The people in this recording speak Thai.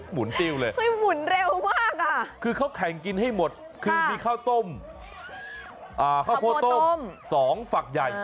หมุนติ้วเลยคือเขาแข่งกินให้หมดมีข้าวต้มข้าวโป้ต้ม๒ฝักใหญ่